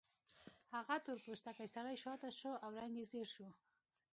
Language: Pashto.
هغه تور پوستکی سړی شاته شو او رنګ یې ژیړ شو